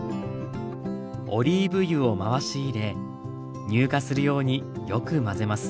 オリーブ油を回し入れ乳化するようによく混ぜます。